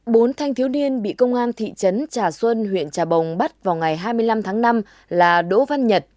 bốn thanh thiếu niên bị công an thị trấn trà xuân huyện trà bồng bắt vào ngày hai mươi năm tháng năm là đỗ văn nhật